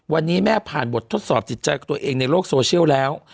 วันนี้แม่ผ่านบททดสอบจิตใจกับตัวเองในโลกโซเชียลแล้ว